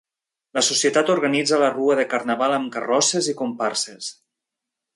La Societat organitza la Rua de Carnaval amb carrosses i comparses.